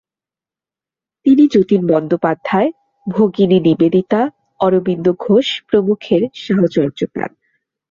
তিনি যতীন বন্দ্যোপাধ্যায়, ভগিনী নিবেদিতা, অরবিন্দ ঘোষ প্রমুখের সাহচর্য পান।